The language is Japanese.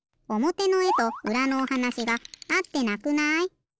おもてのえとうらのおはなしがあってなくない？